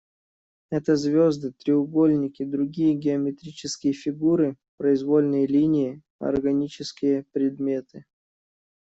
Это звезды, треугольники, другие геометрические фигуры, произвольные линии, органические предметы.